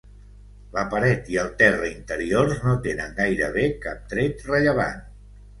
La paret i el terra interiors no tenen gairebé cap tret rellevant.